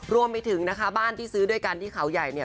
รวมไปถึงนะคะบ้านที่ซื้อด้วยกันที่เขาใหญ่เนี่ย